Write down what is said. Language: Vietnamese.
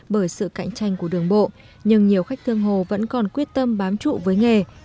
bởi sự cạnh tranh của đường bộ nhưng nhiều khách thương hồ vẫn còn quyết tâm bám trụ với nghề